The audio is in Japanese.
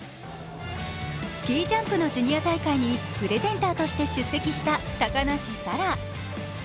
スキージャンプのジュニア大会にプレゼンターとして出席した高梨沙羅。